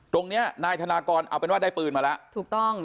ตรงนี้นายธนากรเอาเป็นว่าได้ปืนมาแล้วถูกต้อง